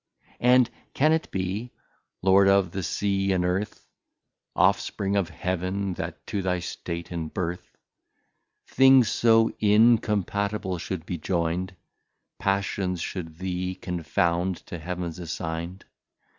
And can it be, Lord of the Sea and Earth, Off spring of Heaven, that to thy State and Birth Things so incompatible should be joyn'd, Passions should thee confound, to Heaven assign'd?